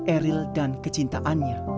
eri dan kecintaannya